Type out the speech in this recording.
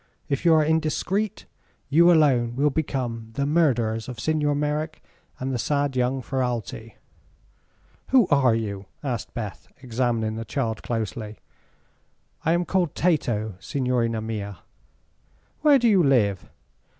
If you are indiscreet, you alone will become the murderers of Signor Merrick and the sad young Ferralti." "Who are you?" asked Beth, examining the child closely. "I am called Tato, signorina mia." "Where do you live?"